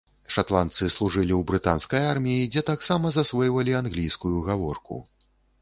Шатландцы служылі ў брытанскай арміі, дзе таксама засвойвалі англійскую гаворку.